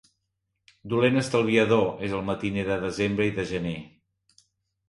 Dolent estalviador és el matiner de desembre i de gener.